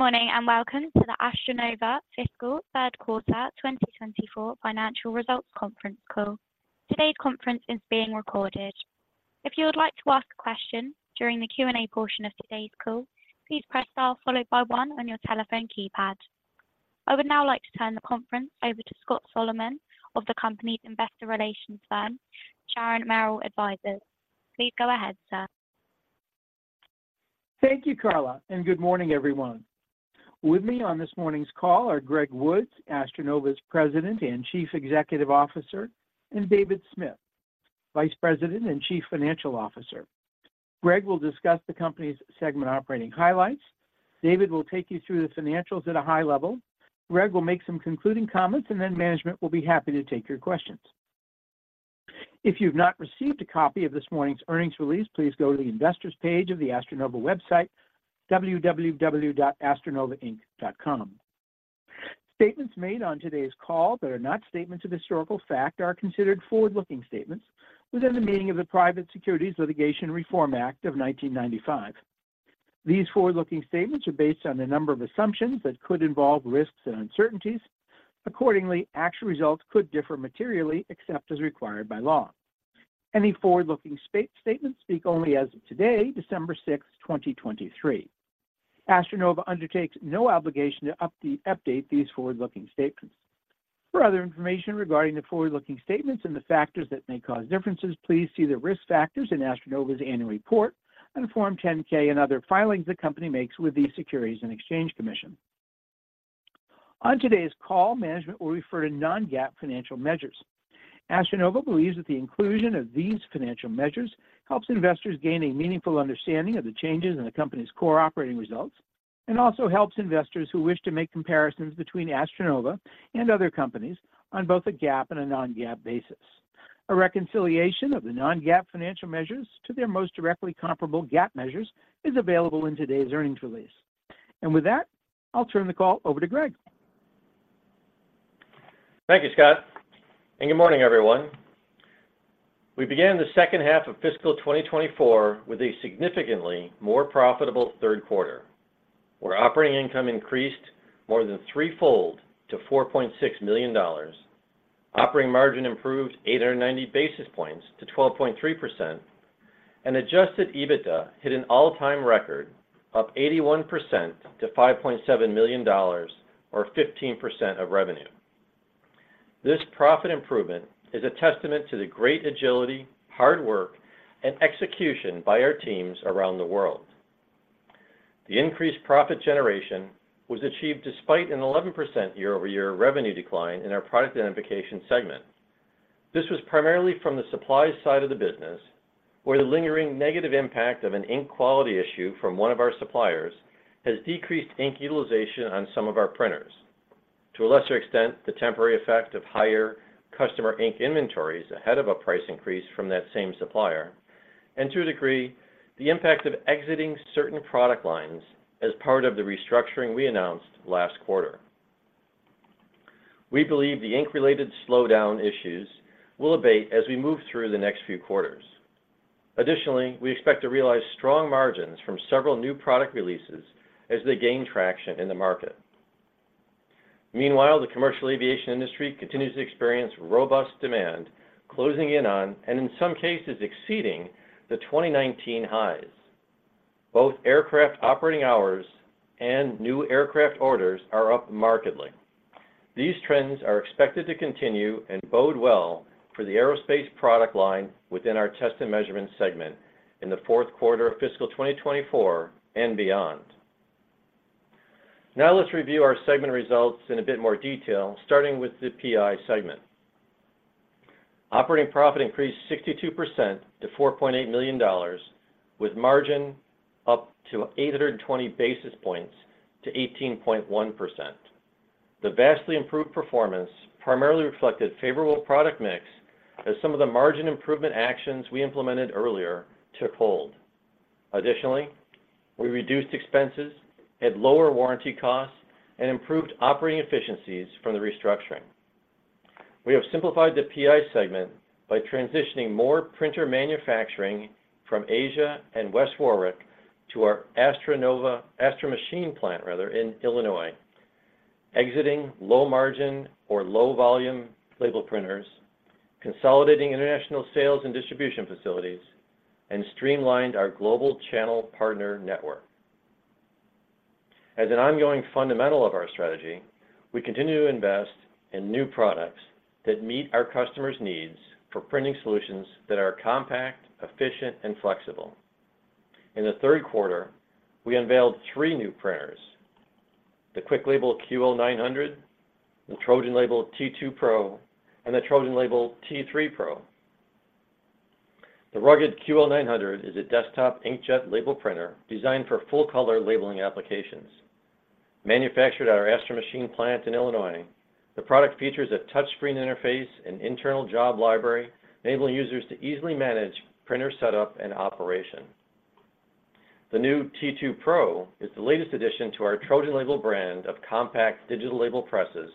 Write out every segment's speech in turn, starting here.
Good morning, and welcome to the AstroNova Fiscal Third Quarter 2024 Financial Results Conference Call. Today's conference is being recorded. If you would like to ask a question during the Q&A portion of today's call, please press star followed by one on your telephone keypad. I would now like to turn the conference over to Scott Solomon of the company's investor relations firm, Sharon Merrill Advisors. Please go ahead, sir. Thank you, Carla, and good morning, everyone. With me on this morning's call are Greg Woods, AstroNova's President and Chief Executive Officer, and David Smith, Vice President and Chief Financial Officer. Greg will discuss the company's segment operating highlights. David will take you through the financials at a high level. Greg will make some concluding comments, and then management will be happy to take your questions. If you've not received a copy of this morning's earnings release, please go to the Investors page of the AstroNova website, www.astronovainc.com. Statements made on today's call that are not statements of historical fact are considered forward-looking statements within the meaning of the Private Securities Litigation Reform Act of 1995. These forward-looking statements are based on a number of assumptions that could involve risks and uncertainties. Accordingly, actual results could differ materially except as required by law. Any forward-looking statements speak only as of today, December sixth, twenty twenty-three. AstroNova undertakes no obligation to update these forward-looking statements. For other information regarding the forward-looking statements and the factors that may cause differences, please see the risk factors in AstroNova's Annual Report and Form 10-K and other filings the company makes with the Securities and Exchange Commission. On today's call, management will refer to non-GAAP financial measures. AstroNova believes that the inclusion of these financial measures helps investors gain a meaningful understanding of the changes in the company's core operating results, and also helps investors who wish to make comparisons between AstroNova and other companies on both a GAAP and a non-GAAP basis. A reconciliation of the non-GAAP financial measures to their most directly comparable GAAP measures is available in today's earnings release. And with that, I'll turn the call over to Greg. Thank you, Scott, and good morning, everyone. We began the second half of fiscal 2024 with a significantly more profitable third quarter, where operating income increased more than threefold to $4.6 million. Operating margin improved 890 basis points to 12.3%, and adjusted EBITDA hit an all-time record, up 81% to $5.7 million or 15% of revenue. This profit improvement is a testament to the great agility, hard work, and execution by our teams around the world. The increased profit generation was achieved despite an 11% year-over-year revenue decline in our Product Identification segment. This was primarily from the supply side of the business, where the lingering negative impact of an ink quality issue from one of our suppliers has decreased ink utilization on some of our printers. To a lesser extent, the temporary effect of higher customer ink inventories ahead of a price increase from that same supplier, and to a degree, the impact of exiting certain product lines as part of the restructuring we announced last quarter. We believe the ink-related slowdown issues will abate as we move through the next few quarters. Additionally, we expect to realize strong margins from several new product releases as they gain traction in the market. Meanwhile, the commercial aviation industry continues to experience robust demand, closing in on, and in some cases, exceeding the 2019 highs. Both aircraft operating hours and new aircraft orders are up markedly. These trends are expected to continue and bode well for the aerospace product line within our Test and Measurement segment in the fourth quarter of fiscal 2024 and beyond. Now, let's review our segment results in a bit more detail, starting with the PI segment. Operating profit increased 62% to $4.8 million, with margin up to 820 basis points to 18.1%. The vastly improved performance primarily reflected favorable product mix as some of the margin improvement actions we implemented earlier took hold. Additionally, we reduced expenses, had lower warranty costs, and improved operating efficiencies from the restructuring. We have simplified the PI segment by transitioning more printer manufacturing from Asia and West Warwick to our AstroNova, Astro Machine plant, rather, in Illinois, exiting low margin or low volume label printers, consolidating international sales and distribution facilities, and streamlined our global channel partner network. As an ongoing fundamental of our strategy, we continue to invest in new products that meet our customers' needs for printing solutions that are compact, efficient, and flexible. In the third quarter, we unveiled three new printers: the QuickLabel QL-900, the TrojanLabel T2-PRO, and the TrojanLabel T3-PRO. The rugged QL-900 is a desktop inkjet label printer designed for full-color labeling applications. Manufactured at our Astro Machine plant in Illinois, the product features a touchscreen interface and internal job library, enabling users to easily manage printer setup and operation. The new T2-PRO is the latest addition to our TrojanLabel brand of compact digital label presses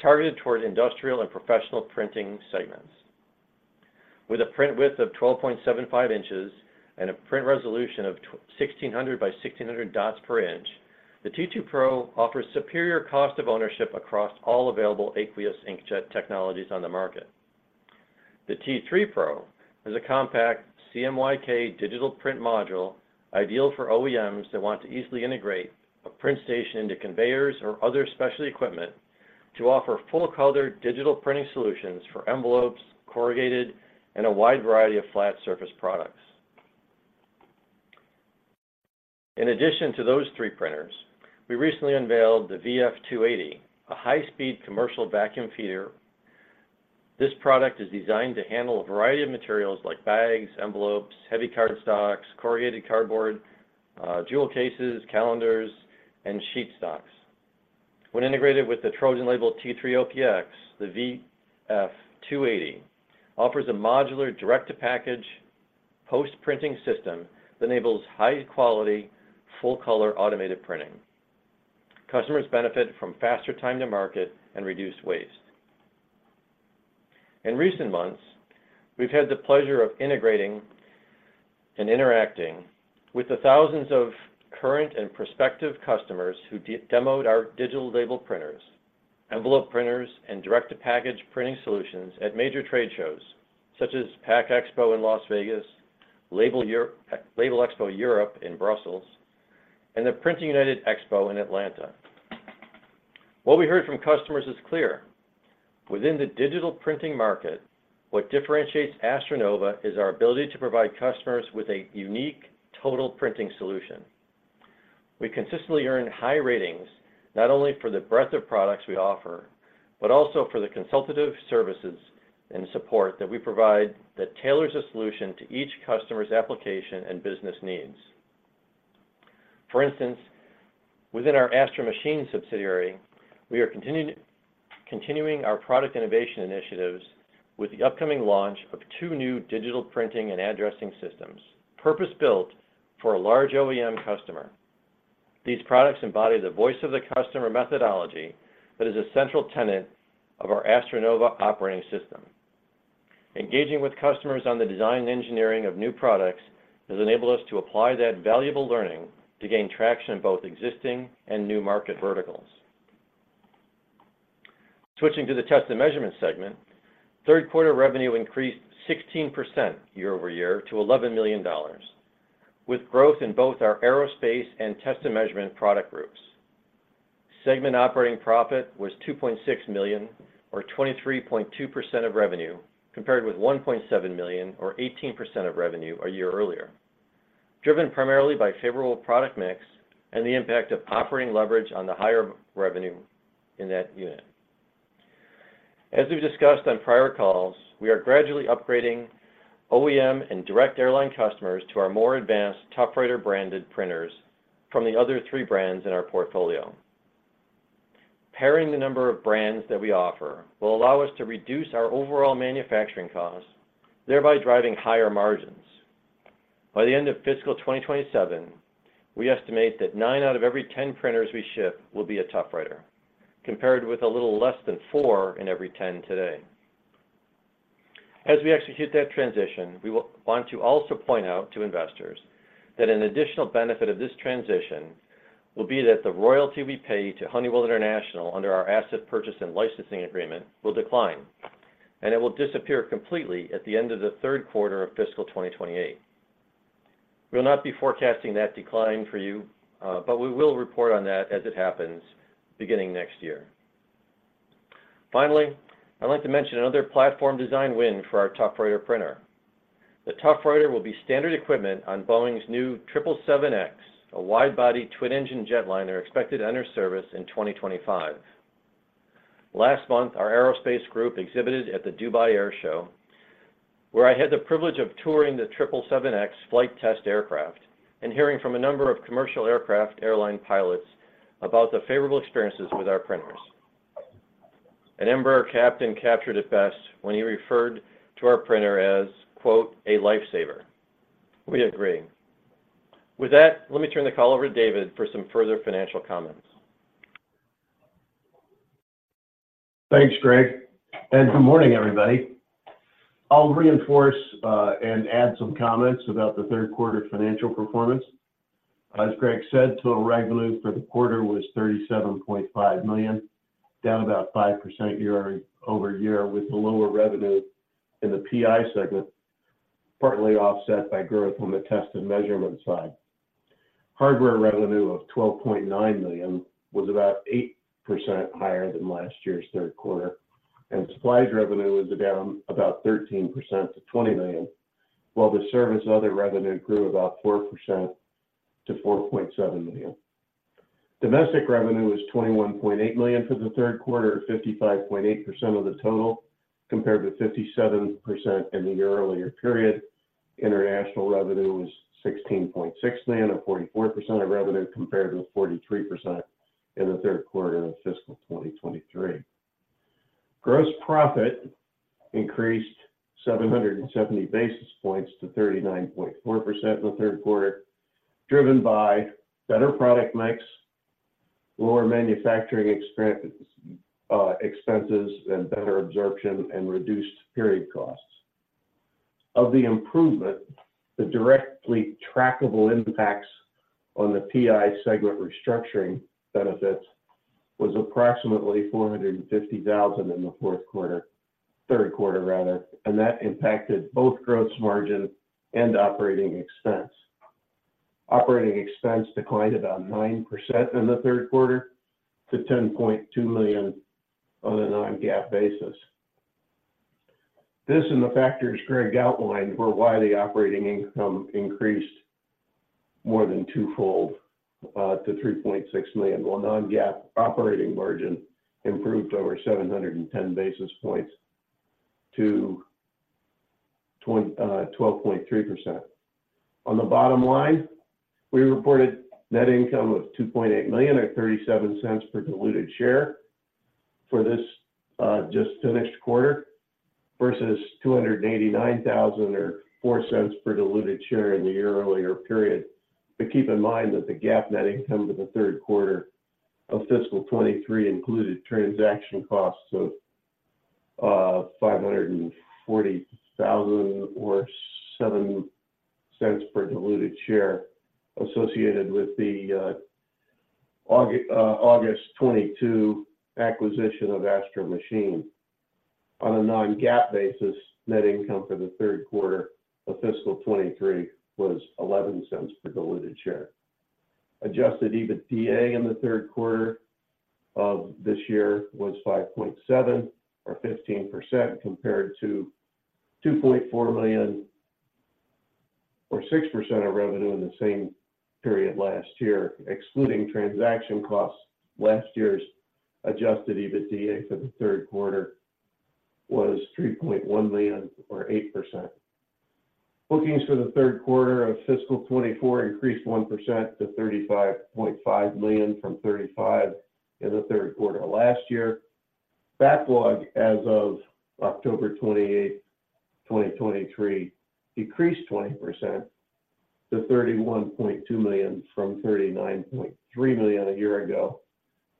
targeted towards industrial and professional printing segments.... With a print width of 12.75 inches and a print resolution of sixteen hundred by sixteen hundred dots per inch, the T2-PRO offers superior cost of ownership across all available aqueous inkjet technologies on the market. The T3-PRO is a compact CMYK digital print module, ideal for OEMs that want to easily integrate a print station into conveyors or other specialty equipment to offer full-color digital printing solutions for envelopes, corrugated, and a wide variety of flat surface products. In addition to those three printers, we recently unveiled the VF-280, a high-speed commercial vacuum feeder. This product is designed to handle a variety of materials like bags, envelopes, heavy cardstocks, corrugated cardboard, jewel cases, calendars, and sheet stocks. When integrated with the TrojanLabel T3-PRO, the VF-280 offers a modular, direct-to-package post-printing system that enables high-quality, full-color automated printing. Customers benefit from faster time to market and reduced waste. In recent months, we've had the pleasure of integrating and interacting with the thousands of current and prospective customers who demoed our digital label printers, envelope printers, and direct-to-package printing solutions at major trade shows such as PACK EXPO in Las Vegas, Labelexpo Europe in Brussels, and the Printing United Expo in Atlanta. What we heard from customers is clear: within the digital printing market, what differentiates AstroNova is our ability to provide customers with a unique total printing solution. We consistently earn high ratings, not only for the breadth of products we offer, but also for the consultative services and support that we provide that tailors a solution to each customer's application and business needs. For instance, within our Astro Machine subsidiary, we are continuing our product innovation initiatives with the upcoming launch of two new digital printing and addressing systems, purpose-built for a large OEM customer. These products embody the voice-of-the-customer methodology that is a central tenet of our AstroNova Operating System. Engaging with customers on the design engineering of new products has enabled us to apply that valuable learning to gain traction in both existing and new market verticals. Switching to the Test and Measurement segment, third quarter revenue increased 16% year-over-year to $11 million, with growth in both our aerospace and Test and Measurement product groups. Segment operating profit was $2.6 million or 23.2% of revenue, compared with $1.7 million or 18% of revenue a year earlier, driven primarily by favorable product mix and the impact of operating leverage on the higher revenue in that unit. As we've discussed on prior calls, we are gradually upgrading OEM and direct airline customers to our more advanced ToughWriter-branded printers from the other three brands in our portfolio. Paring down the number of brands that we offer will allow us to reduce our overall manufacturing costs, thereby driving higher margins. By the end of fiscal 2027, we estimate that nine out of every 10 printers we ship will be a ToughWriter, compared with a little less than four in every 10 today. As we execute that transition, we will want to also point out to investors that an additional benefit of this transition will be that the royalty we pay to Honeywell International under our asset purchase and licensing agreement will decline, and it will disappear completely at the end of the third quarter of fiscal 2028. We'll not be forecasting that decline for you, but we will report on that as it happens, beginning next year. Finally, I'd like to mention another platform design win for our ToughWriter printer. The ToughWriter will be standard equipment on Boeing's new 777X, a wide-body twin-engine jetliner expected to enter service in 2025. Last month, our aerospace group exhibited at the Dubai Airshow, where I had the privilege of touring the 777X flight test aircraft and hearing from a number of commercial aircraft airline pilots about the favorable experiences with our printers. An Embraer captain captured it best when he referred to our printer as, quote, "A lifesaver." We agree. With that, let me turn the call over to David for some further financial comments. Thanks, Greg, and good morning, everybody. I'll reinforce and add some comments about the third quarter financial performance. As Greg said, total revenue for the quarter was $37.5 million, down about 5% year-over-year, with the lower revenue in the PI segment, partly offset by growth on the test and measurement side. Hardware revenue of $12.9 million was about 8% higher than last year's third quarter, and supplies revenue was down about 13% to $20 million, while the service and other revenue grew about 4% to $4.7 million. Domestic revenue was $21.8 million for the third quarter, 55.8% of the total, compared with 57% in the year-earlier period. International revenue was $16.6 million, or 44% of revenue, compared with 43% in the third quarter of fiscal 2023. Gross profit increased 770 basis points to 39.4% in the third quarter, driven by better product mix. Lower manufacturing expenses and better absorption and reduced period costs. Of the improvement, the directly trackable impacts on the PI segment restructuring benefits was approximately $450,000 in the fourth quarter, third quarter rather, and that impacted both gross margin and operating expense. Operating expense declined about 9% in the third quarter to $10.2 million on a non-GAAP basis. This and the factors Greg outlined were why the operating income increased more than twofold, to $3.6 million, while non-GAAP operating margin improved over 710 basis points to 12.3%. On the bottom line, we reported net income of $2.8 million or $0.37 per diluted share for this just finished quarter, versus $289,000 or $0.04 per diluted share in the year earlier period. But keep in mind that the GAAP net income for the third quarter of fiscal 2023 included transaction costs of $540,000 or $0.07 per diluted share associated with the August 2022 acquisition of Astro Machine. On a non-GAAP basis, net income for the third quarter of fiscal 2023 was $0.11 per diluted share. Adjusted EBITDA in the third quarter of this year was $5.7 million or 15%, compared to $2.4 million or 6% of revenue in the same period last year. Excluding transaction costs, last year's Adjusted EBITDA for the third quarter was $3.1 million or 8%. Bookings for the third quarter of fiscal 2024 increased 1% to $35.5 million from $35 million in the third quarter last year. Backlog as of October 28, 2023, decreased 20% to $31.2 million from $39.3 million a year ago.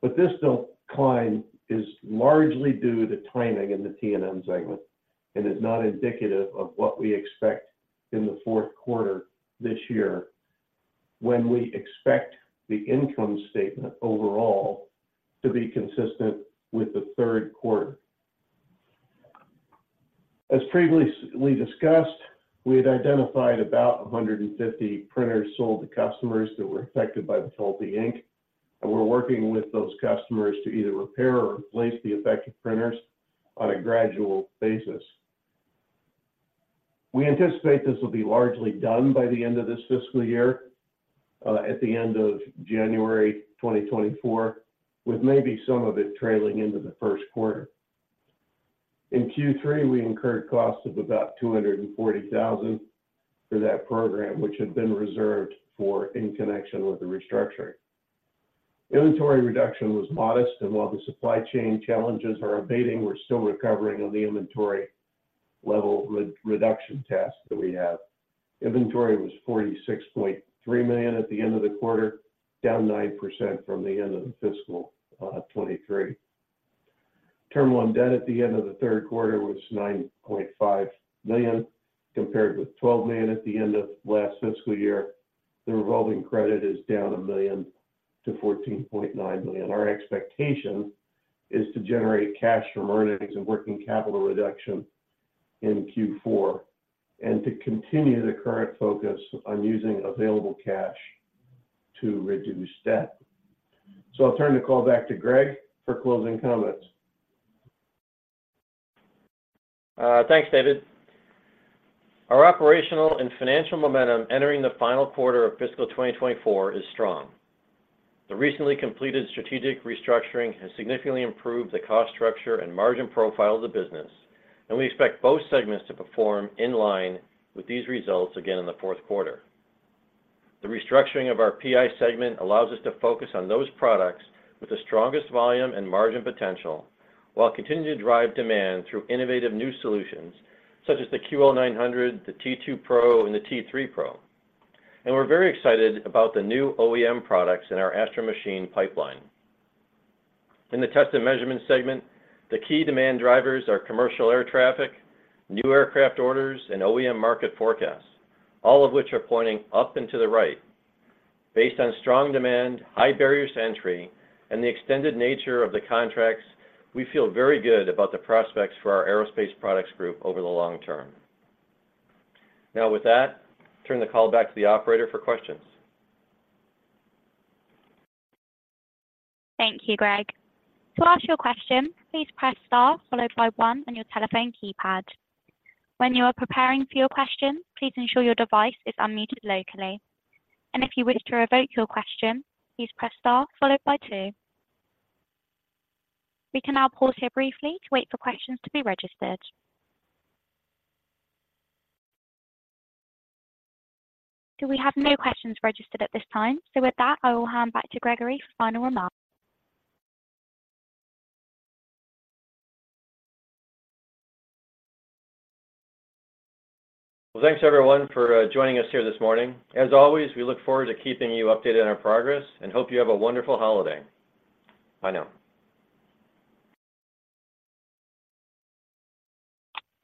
But this decline is largely due to timing in the T&M segment and is not indicative of what we expect in the fourth quarter this year, when we expect the income statement overall to be consistent with the third quarter. As previously discussed, we had identified about 150 printers sold to customers that were affected by the faulty ink, and we're working with those customers to either repair or replace the affected printers on a gradual basis. We anticipate this will be largely done by the end of this fiscal year at the end of January 2024, with maybe some of it trailing into the first quarter. In Q3, we incurred costs of about $240,000 for that program, which had been reserved for in connection with the restructuring. Inventory reduction was modest, and while the supply chain challenges are abating, we're still recovering on the inventory level re-reduction task that we have. Inventory was $46.3 million at the end of the quarter, down 9% from the end of the fiscal 2023. Term loan debt at the end of the third quarter was $9.5 million, compared with $12 million at the end of last fiscal year. The revolving credit is down $1 million to $14.9 million. Our expectation is to generate cash from earnings and working capital reduction in Q4, and to continue the current focus on using available cash to reduce debt. So I'll turn the call back to Greg for closing comments. Thanks, David. Our operational and financial momentum entering the final quarter of fiscal 2024 is strong. The recently completed strategic restructuring has significantly improved the cost structure and margin profile of the business, and we expect both segments to perform in line with these results again in the fourth quarter. The restructuring of our PI segment allows us to focus on those products with the strongest volume and margin potential, while continuing to drive demand through innovative new solutions, such as the QL-900, the T2-PRO, and the T3-PRO. And we're very excited about the new OEM products in our Astro Machine pipeline. In the Test and measurement segment, the key demand drivers are commercial air traffic, new aircraft orders, and OEM market forecasts, all of which are pointing up and to the right. Based on strong demand, high barriers to entry, and the extended nature of the contracts, we feel very good about the prospects for our aerospace products group over the long term. Now, with that, I turn the call back to the operator for questions. Thank you, Greg. To ask your question, please press star followed by one on your telephone keypad. When you are preparing for your question, please ensure your device is unmuted locally. If you wish to revoke your question, please press star followed by two. We can now pause here briefly to wait for questions to be registered. We have no questions registered at this time. With that, I will hand back to Gregory for final remarks. Well, thanks everyone for joining us here this morning. As always, we look forward to keeping you updated on our progress and hope you have a wonderful holiday. Bye now.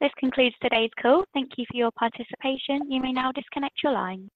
This concludes today's call. Thank you for your participation. You may now disconnect your line.